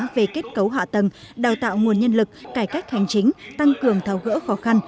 về kết cấu hạ tầng đào tạo nguồn nhân lực cải cách hành chính tăng cường tháo gỡ khó khăn